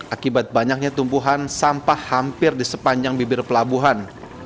akibat banyaknya tumpuhan sampah hampir di sepanjang bibir pelabuhan